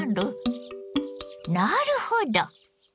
なるほど！